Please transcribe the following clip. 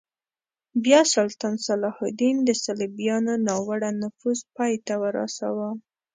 بیا سلطان صلاح الدین د صلیبیانو ناوړه نفوذ پای ته ورساوه.